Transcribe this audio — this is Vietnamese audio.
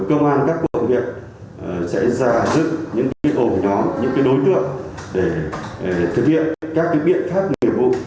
công an các cộng hiệp sẽ giả dựng những đối tượng để thực hiện các biện pháp nguyện vụ